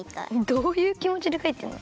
どういうきもちでかいたの？